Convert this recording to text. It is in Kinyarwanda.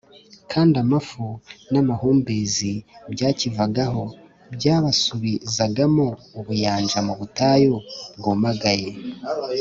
kandi amafu n’amahumbezi byakivagaho byabasubizagamo ubuyanja mu butayu bwumagaye,